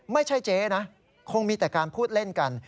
ไม่ใช่เจ๊นะคงมีแต่การพูดเล่นกัน